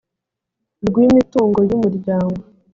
rw imitungo y umuryango